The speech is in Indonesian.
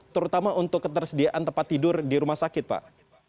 terutama untuk ketersediaan tempat tidur di rumah sakit pak